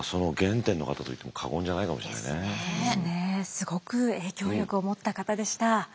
すごく影響力を持った方でした。